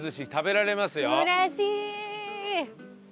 うれしい！